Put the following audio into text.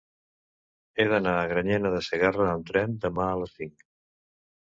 He d'anar a Granyena de Segarra amb tren demà a les cinc.